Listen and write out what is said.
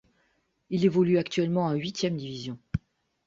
Il évolue actuellement en huitième division.